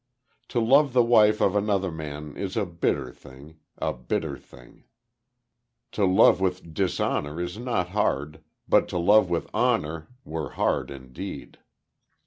To love the wife of another man is a bitter thing a bitter thing. To love with dishonor is not hard; but to love with honor were hard indeed.